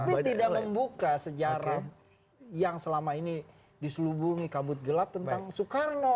tapi tidak membuka sejarah yang selama ini diselubungi kabut gelap tentang soekarno